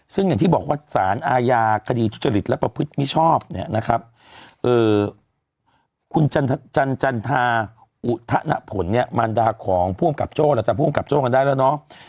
ซึ่งอย่างที่บอกว่าศาลอาญาคดีชุฌริชรัตน์และประพฤทธิ์มิชอบนะครับคุณจันทราอุทธะนภลมารดาของพโจ้เราจะพโจ้กันได้แล้วเนอะ